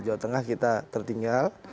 jawa tengah kita tertinggal